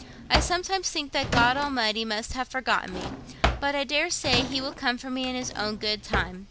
I sometimes think that God Almighty must have forgotten me; but I dare say He will come for me in His own good time.'